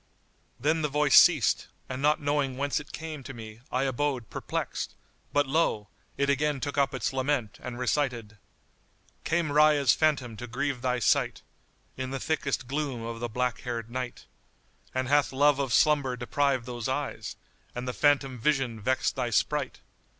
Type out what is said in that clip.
Then the voice ceased and not knowing whence it came to me I abode perplexed; but lo! it again took up its lament and recited, "Came Rayya's phantom to grieve thy sight * In the thickest gloom of the black haired Night! And hath love of slumber deprived those eyes * And the phantom vision vexed thy sprite?